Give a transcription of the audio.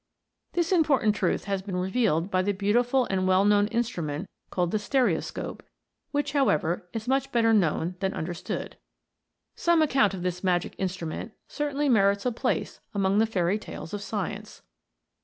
This important truth has been revealed by the beautiful and well known instrument called the stereoscope, which, however, is much better known than understood. Some account of this magic in strument certainly merits a place amongst the fairy tales of science.